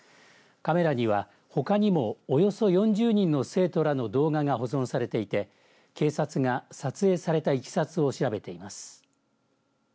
カメラには、ほかにもおよそ４０人の生徒らの動画が保存されていて警察が撮影されたいきさつを調べています。